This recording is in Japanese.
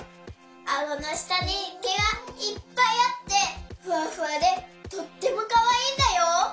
あごのしたにけがいっぱいあってふわふわでとってもかわいいんだよ。